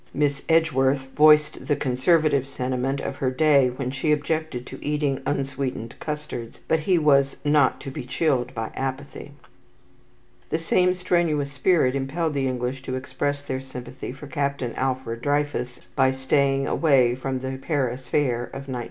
Miss Edgeworth voiced the conservative sentiment of her day when she objected to eating unsweetened custards; but he was not to be chilled by apathy. The same strenuous spirit impelled the English to express their sympathy for Captain Alfred Dreyfus by staying away from the Paris fair of 1900.